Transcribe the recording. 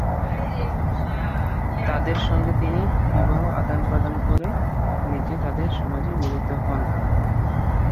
তাদের সঙ্গে তিনি বিবাহ আদান প্রদান করে নিজে তাদের সমাজে মিলিত হন।